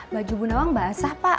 baju bu nowang basah pak